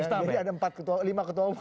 jadi ada lima ketua umum